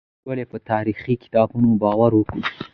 موږ ولې په تاريخي کتابونو باور وکړو؟